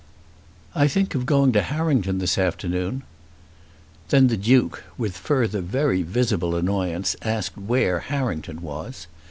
"I think of going to Harrington this afternoon." Then the Duke, with further very visible annoyance, asked where Harrington was.